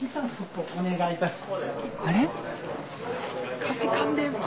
あれ？